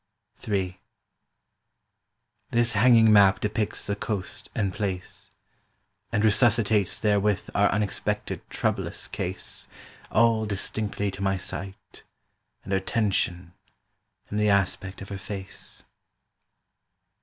III This hanging map depicts the coast and place, And resuscitates therewith our unexpected troublous case All distinctly to my sight, And her tension, and the aspect of her face.